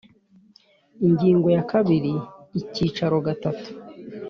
Ingingo ya kabiri Icyicaro gatatu